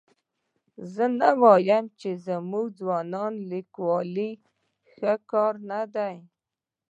زه نه وایم چې زموږ ځوان لیکوال ښه کار نه دی کړی.